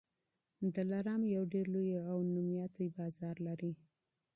دلارام یو ډېر لوی او مشهور بازار لري.